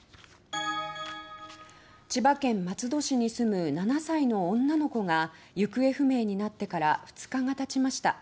千葉県松戸市に住む７歳の女の子が行方不明になってから２日が経ちました。